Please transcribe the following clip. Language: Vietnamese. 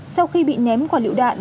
sau khi bị ném quả lựu đạn